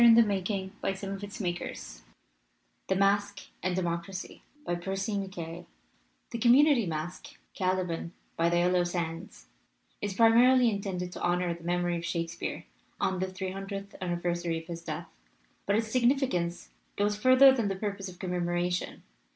THE MASQUE AND DEMOCRACY PERCY MACKAYE THE MASQUE AND DEMOCRACY PERCY MACKAYE community masque, Caliban by the Yel 1 low Sands, is primarily intended to honor the memory of Shakespeare on the three hun dredth anniversary of his death. But its sig nificance goes further than the purpose of com memoration.